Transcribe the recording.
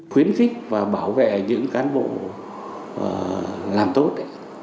khuyến khích và bảo vệ những cán bộ làm tốt